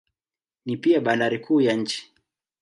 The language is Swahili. Ni pia bandari kuu ya nchi.